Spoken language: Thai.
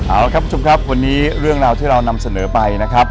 เอาละครับคุณผู้ชมครับวันนี้เรื่องราวที่เรานำเสนอไปนะครับ